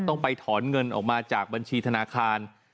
ต้องไปถอนเงินออกมาจากบัญชีธนาคาร